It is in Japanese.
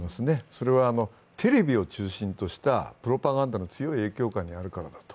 これはテレビを中心としたプロパガンダの強い影響下にあるからです。